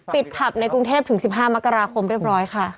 ผับในกรุงเทพถึง๑๕มกราคมเรียบร้อยค่ะ